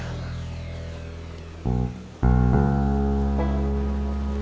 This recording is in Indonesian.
dan saya akan mencoba